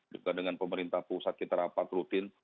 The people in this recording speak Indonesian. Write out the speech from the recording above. juga dengan pemerintah pusat kita rapat rutin